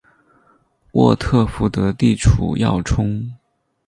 沃特福德地处要冲。